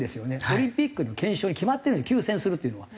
オリンピックの憲章で決まってるんです休戦するというのは。